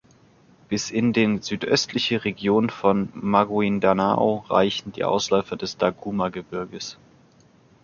Bis in den südöstliche Region von Maguindanao reichen die Ausläufer des Daguma-Gebirges.